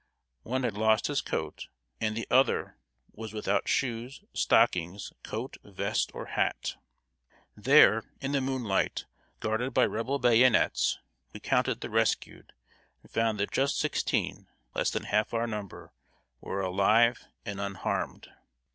One had lost his coat, and the other was without shoes, stockings, coat, vest, or hat. There, in the moonlight, guarded by Rebel bayonets, we counted the rescued, and found that just sixteen less than half our number were alive and unharmed.